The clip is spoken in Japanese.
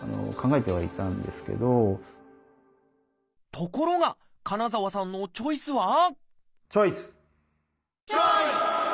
ところが金澤さんのチョイスはチョイス！